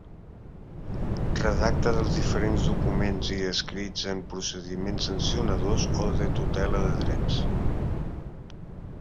Redacta dels diferents documents i escrits en procediments sancionadors o de tutela de drets.